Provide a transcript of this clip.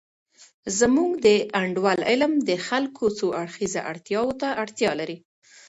زمونږ د انډول علم د خلګو څو اړخیزه اړتیاوو ته اړتیا لري.